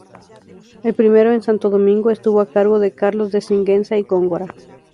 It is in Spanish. El primero, en Santo Domingo, estuvo a cargo de Carlos de Sigüenza y Góngora.